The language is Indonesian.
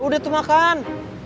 udah tuh makan